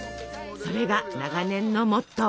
それが長年のモットー。